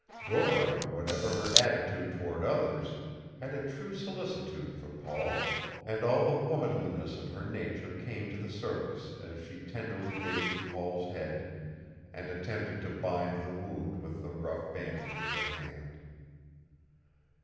Dora, whatever her attitude toward others, had a true solicitude for Paul, and all the womanliness of her nature came to the surface as she tenderly bathed Paul's head and attempted to bind the wound with the rough bandages at hand.